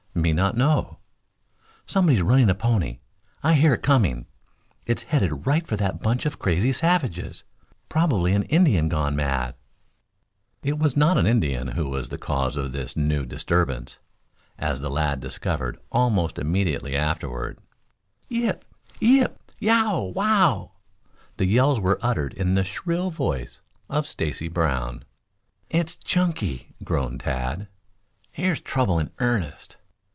"Me not know." "Somebody's running a pony. I hear it coming. It's headed right for that bunch of crazy savages. Probably an Indian gone mad." It was not an Indian who was the cause of this new disturbance, as the lad discovered almost immediately afterward. "Yip, yip! Y e o w! W o w!" The yells were uttered in the shrill voice of Stacy Brown. "It's Chunky!" groaned Tad. "Here's trouble in earnest!"